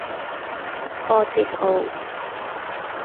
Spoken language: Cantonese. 破折號